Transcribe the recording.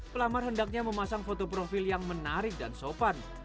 pelamar hendaknya memasang foto profil yang menarik dan sopan